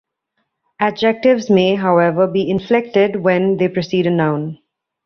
Adjectives may, however, be inflected when they precede a noun.